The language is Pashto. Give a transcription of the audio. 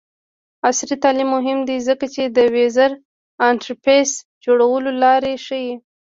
عصري تعلیم مهم دی ځکه چې د یوزر انټرفیس جوړولو لارې ښيي.